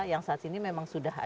yang saat ini memang sudah ada